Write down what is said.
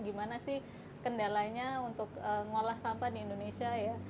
gimana sih kendalanya untuk mengolah sampah di indonesia ya